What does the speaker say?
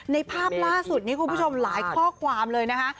ในภาพล่าสุดนี้คุณผู้ชมหลายข้อความเลยนะคะ